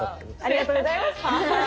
ありがとうございます。